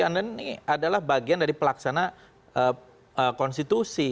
anda ini adalah bagian dari pelaksana konstitusi